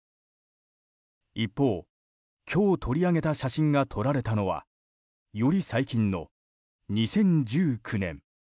一方、今日取り上げられた写真が撮られたのはより最近の２０１９年。